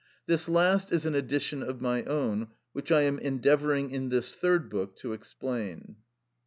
This last is an addition of my own, which I am endeavouring in this Third Book to explain.